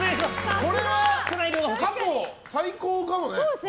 これは過去最高かもね。